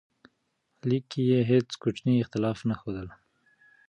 لیک کې یې هیڅ کوچنی اختلاف نه ښودل.